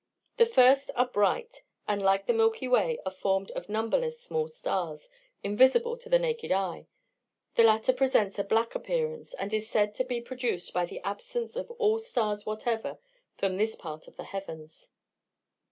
The first are bright, and, like the Milky Way, are formed of numberless small stars, invisible to the naked eye; the latter presents a black appearance, and is said to be produced by the absence of all stars whatever from this part of the heavens.